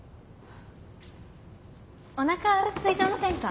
おなかすいてませんか。